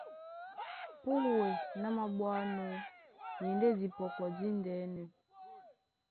Púe ná māɓwánɔ́ í e ndé dipɔkɔ díndɛ́nɛ.